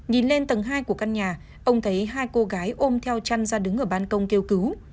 nhìn lên tầng hai của căn nhà ông thấy hai cô gái ôm theo chăn ra đứng ở bàn công kêu cứu